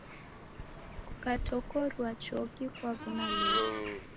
Kukatokorua choki kwaw'ona luw'e.